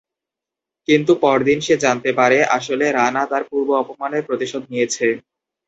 কিন্তু পরদিন সে জানতে পারে আসলে রানা তার পূর্ব অপমানের প্রতিশোধ নিয়েছে।